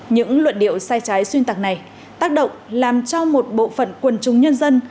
những luận điệu sai trái xuyên tạc này tác động làm cho một bộ phận quần chúng nhân dân